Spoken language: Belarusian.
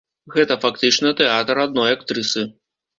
Гэта фактычна тэатр адной актрысы.